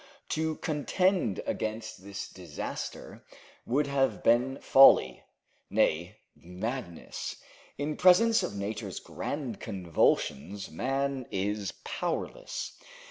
To contend against this disaster would have been folly nay, madness. In presence of Nature's grand convulsions man is powerless.